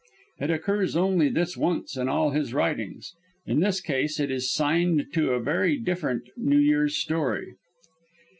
It occurs only this once in all his writings. In this case it is signed to a very indifferent New Year's story.